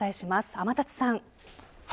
天達さん。